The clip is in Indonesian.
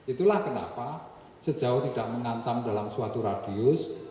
itulah kenapa sejauh tidak mengancam dalam suatu radius